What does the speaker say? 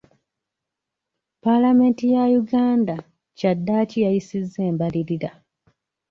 Palamenti ya Uganda kyaddaaki yayisizza embalirira.